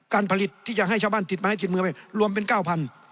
การผลิตที่จะให้ชาวบ้านติดไม้ติดมือไปรวมเป็น๙๐๐บาท